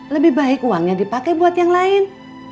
lebih baik uangnya dipakai buat yang lain